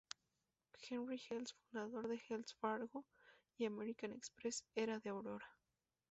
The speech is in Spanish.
Henry Wells, fundador de Wells Fargo y American Express era de Aurora.